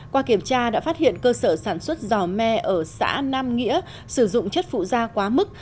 qua kiểm tra đã phát hiện cơ sở sản xuất giò me ở xã nam nghĩa sử dụng chất phụ da quá mức